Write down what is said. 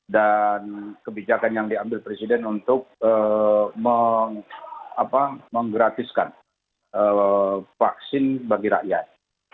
dan kebijakan yang diambil presiden untuk menggratiskan vaksin bagi rakyat